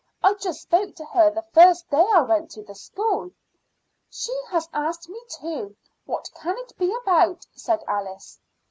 I just spoke to her the first day I went to the school." "She has asked me too. What can it be about?" said Alice.